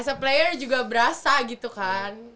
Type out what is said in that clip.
as a player juga berasa gitu kan